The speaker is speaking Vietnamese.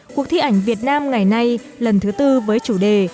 cuộc thi ảnh việt nam ngày nay lần thứ tư với chủ đề